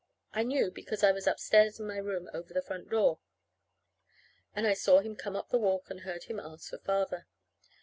I knew because I was upstairs in my room over the front door; and I saw him come up the walk and heard him ask for Father.